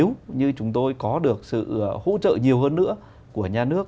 nếu như chúng tôi có được sự hỗ trợ nhiều hơn nữa của nhà nước